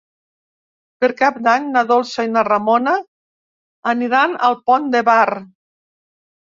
Per Cap d'Any na Dolça i na Ramona aniran al Pont de Bar.